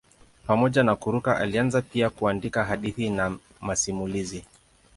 Pamoja na kuruka alianza pia kuandika hadithi na masimulizi.